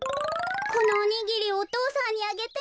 このおにぎりお父さんにあげて。